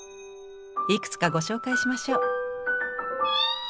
いくつかご紹介しましょう。